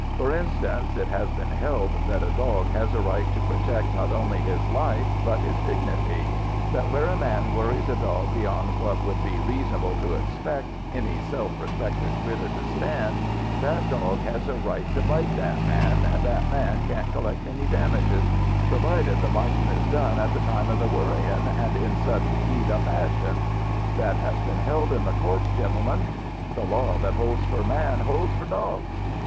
For instance, it has been held that a dog has a right to protect not only his life but his dignity; that where a man worries a dog beyond what would be reasonable to expect any self respectin' critter to stand, that dog has a right to bite that man, an' that man can't collect any damages provided the bitin' is done at the time of the worryin' an' in sudden heat an' passion. That has been held in the courts, gentlemen. The law that holds for man holds for dogs.